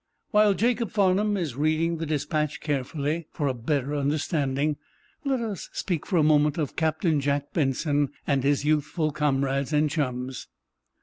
While Jacob Farnum is reading the despatch carefully, for a better understanding, let us speak for a moment of Captain Jack Benson and his youthful comrades and chums.